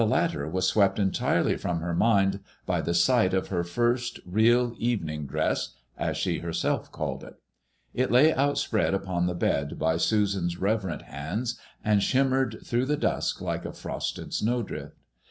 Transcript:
latter was swept entirely from her mind by the sight of her first real evening dress/* as she her self called it* It lay outspread upon the bed by Susan's reverent hands, and shimmered through the dusk like a frosted snowdrift.